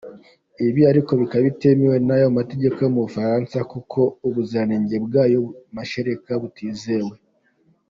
Ibi ariko bikaba bitemewe n’amategeko yo mu Bufaransa kuko ubuziranenge bwayo mashereka butizewe.